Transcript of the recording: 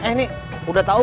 eh nih udah tau belum